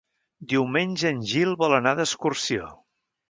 Diumenge en Gil vol anar d'excursió.